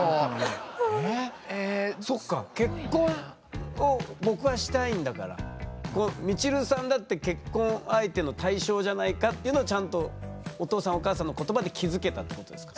そっか「結婚を僕はしたいんだからみちるさんだって結婚相手の対象じゃないか」っていうのはちゃんとお父さんお母さんの言葉で気付けたってことですか？